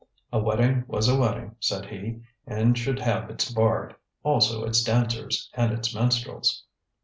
A wedding was a wedding, said he, and should have its bard; also its dancers and its minstrels.